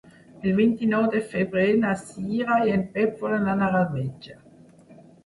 El vint-i-nou de febrer na Cira i en Pep volen anar al metge.